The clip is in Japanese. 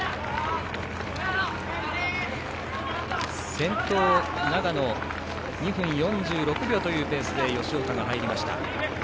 先頭、長野２分４６秒というペースで吉岡が入りました。